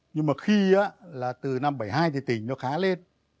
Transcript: nhưng mà khi là từ năm bảy mươi hai thì tỉnh nó khá lên